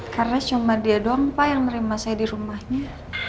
karena cuma dia doang pak yang menerima saya di rumahnya